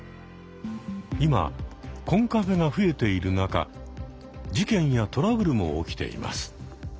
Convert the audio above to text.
今コンカフェが増えている中事件やトラブルも起きています。